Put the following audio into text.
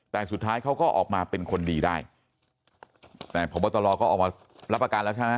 แต่สุดท้ายเขาก็ออกมาเป็นคนดีได้แต่พบตรก็ออกมารับอาการแล้วใช่ไหม